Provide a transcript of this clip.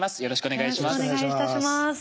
よろしくお願いします。